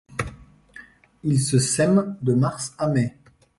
Il se sème de mars à mai.